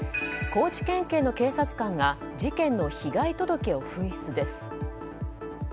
高知県警の警察官が事件の被害届を紛失です。